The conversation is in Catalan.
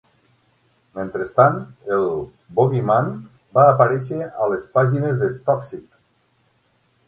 Mentrestant, el "Bogie Man" va aparèixer a les pàgines de "Tòxic!"